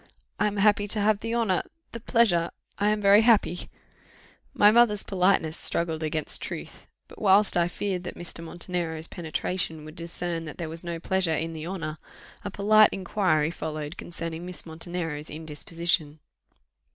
I am happy to have the honour the pleasure I am very happy " My mother's politeness struggled against truth; but whilst I feared that Mr. Montenero's penetration would discern that there was no pleasure in the honour, a polite inquiry followed concerning Miss Montenero's indisposition.